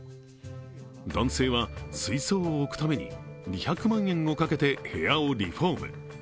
男性は水槽を置くために２００万円をかけて部屋をリフォーム。